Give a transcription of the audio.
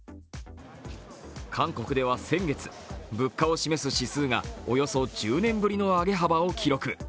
韓国では先月、物価を示す指数がおよそ１０年ぶりの上げ幅を記録。